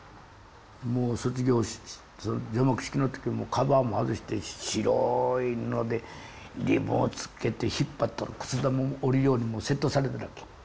もう卒業除幕式の時もうカバーも外してしろい布でリボンつけて引っ張ったらくす玉も下りるようにセットされてるわけ。